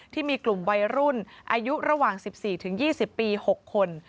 ที่มีกลุ่มวัยรุ่นอายุระหว่าง๑๔๒๐ปี๖คน